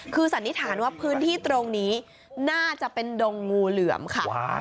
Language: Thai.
คือสันนิษฐานว่าพื้นที่ตรงนี้น่าจะเป็นดงงูเหลือมค่ะ